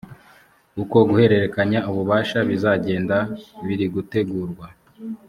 uko guhererekanya ububasha bizajyenda birigutegurwa.